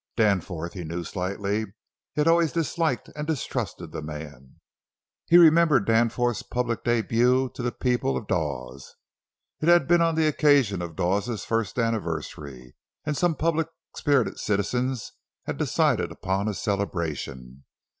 Danforth he knew slightly. He had always disliked and distrusted the man. He remembered Danforth's public début to the people of Dawes. It had been on the occasion of Dawes's first anniversary and some public spirited citizens had decided upon a celebration.